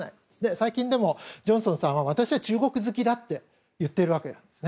最近でもジョンソンさんは私は中国好きだと言っているわけです。